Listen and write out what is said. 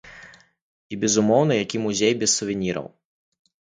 І, безумоўна, які музей без сувеніраў?